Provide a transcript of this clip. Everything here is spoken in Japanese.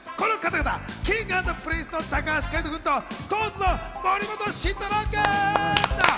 Ｋｉｎｇ＆Ｐｒｉｎｃｅの高橋海人君とＳｉｘＴＯＮＥＳの森本慎太郎君！